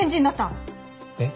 えっ。